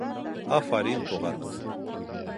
— Афарин, туғаным!